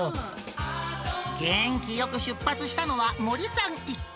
元気よく出発したのは森さん一家。